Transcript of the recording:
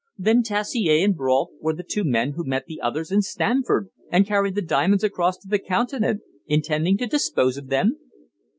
"Then Terassier and Brault were the two men who met the others in Stamford, and carried the diamonds across to the Continent, intending to dispose of them?"